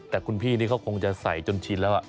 แต่คุณพี่นี่เขาคงจะใส่จนชินแล้ว